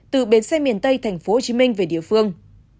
từ bến xe miền tây tp hcm về địa phương